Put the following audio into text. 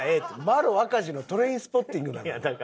麿赤兒の『トレインスポッティング』なのよ。